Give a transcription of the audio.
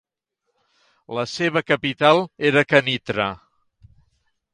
La seva capital era Kenitra.